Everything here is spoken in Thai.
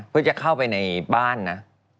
เพื่อจะเข้าไปในบ้านนะ